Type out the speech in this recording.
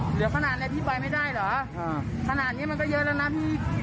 เหลือขนาดอะไรพี่ไปไม่ได้เหรอครับขนาดนี้มันก็เยอะแล้วนะพี่